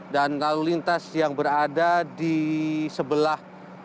dan lalu lintas yang berada di sebelah